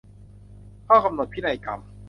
ข้อกำหนดพินัยกรรม